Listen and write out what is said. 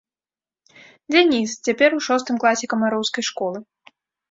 Дзяніс, цяпер у шостым класе камароўскай школы.